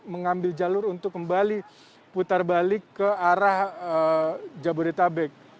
mengambil jalur untuk kembali putar balik ke arah jabodetabek